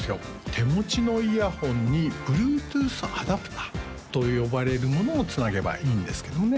手持ちのイヤホンにＢｌｕｅｔｏｏｔｈアダプターと呼ばれるものをつなげばいいんですけどもね